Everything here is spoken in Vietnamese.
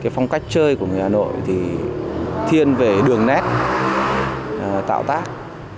phong cách chơi của người hà nội thì thiên về đường nét tạo tác